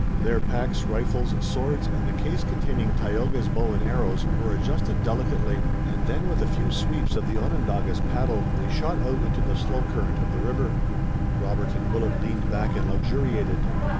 Their packs, rifles, swords and the case containing Tayoga's bow and arrows were adjusted delicately, and then, with a few sweeps of the Onondaga's paddle, they shot out into the slow current of the river. Robert and Willet leaned back and luxuriated.